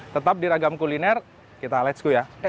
tetap di ragam kuliner kita let s go ya